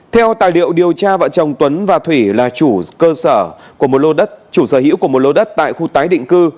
theo tài liệu điều tra vợ chồng tuấn và thủy là chủ sở hữu của một lô đất tại khu tái định cư